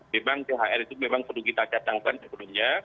memang thr itu memang perlu kita datangkan sebelumnya